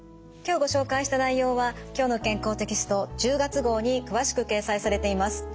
今日ご紹介した内容は「きょうの健康」テキスト１０月号に詳しく掲載されています。